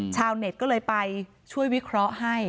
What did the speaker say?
ชาวเน็ตก็เลยไปช่วยวิเคราะห์ให้